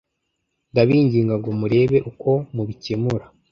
ndabinginga ngo murebe uko mubikemura